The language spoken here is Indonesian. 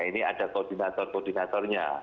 ini ada koordinator koordinatornya